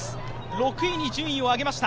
６位に順位を上げました。